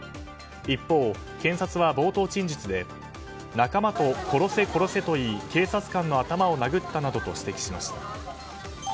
一方、検察は冒頭陳述で仲間と殺せ殺せと言い警察官の頭を殴ったなどと指摘しました。